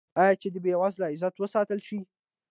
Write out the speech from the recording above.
آیا چې د بې وزله عزت وساتل شي؟